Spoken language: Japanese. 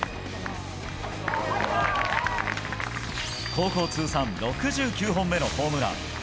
高校通算６９本目のホームラン。